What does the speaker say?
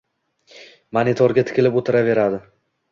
monitorga tikilib o‘tiraveradi.